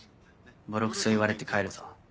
ボロクソ言われて帰るぞ。